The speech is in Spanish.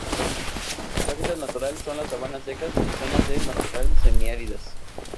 Su hábitat natural son las sabanas secas y zonas de matorral semiáridas.